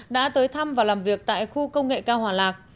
đã tới thăm và làm việc tại khu công nghệ cao hòa lạc